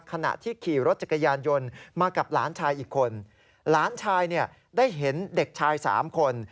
ขณะที่ขี่รถจักรยานยนต์มากับหลานชายอีกคนหลานชายเนี่ยได้เห็นเด็กชายสามคน